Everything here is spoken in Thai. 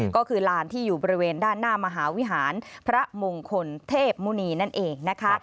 ก็คือลานที่อยู่บริเวณด้านหน้ามหาวิหารพระมงคลเทพมุณีนั่นเองนะคะ